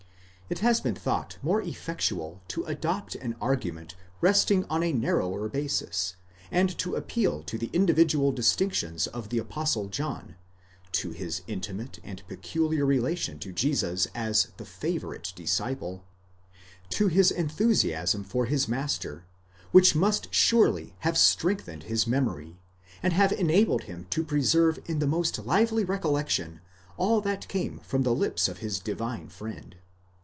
It has been thought more effectual to adopt an argument resting on a narrower basis, and to appeal to the individual distinctions of the Apostle John,—to his intimate and peculiar relation to Jesus as the favourite disciple,—to his enthusiasm for his master, which must surely have strengthened his memory, and have enabled him to preserve in the most lively recollection all that came from the lips of his divine friend.!